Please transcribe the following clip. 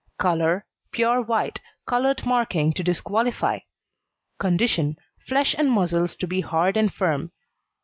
COLOUR Pure white, coloured marking to disqualify. CONDITION Flesh and muscles to be hard and firm.